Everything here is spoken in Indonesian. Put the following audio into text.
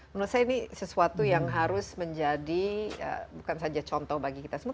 menurut saya ini sesuatu yang harus menjadi bukan saja contoh bagi kita semua